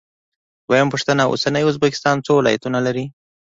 دویمه پوښتنه: اوسنی ازبکستان څو ولایتونه لري؟